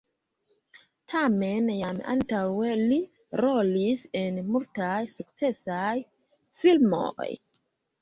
Tamen jam antaŭe li rolis en multaj sukcesaj filmoj.